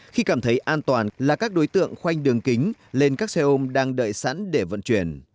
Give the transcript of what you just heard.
khi cảm thấy an toàn là các đối tượng khoanh đường kính lên các xe ôm đang đợi sẵn để vận chuyển